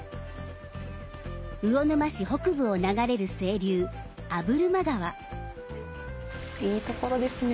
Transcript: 魚沼市北部を流れる清流いいところですね。